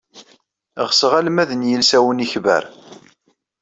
Xseɣ almad n yilsawen ikbar.